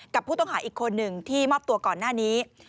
กับผู้ต้องหาอีกคนหนึ่งที่มอบตัวก่อนหน้านี้